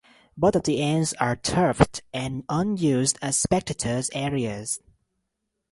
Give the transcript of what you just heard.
Both of the ends are turfed and unused as spectator areas.